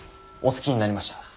お着きになりました。